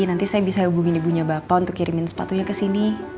nanti saya bisa hubungin ibunya bapak untuk kirimin sepatunya ke sini